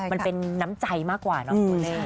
มันเป็นน้ำใจมากกว่านะคุณผู้ชม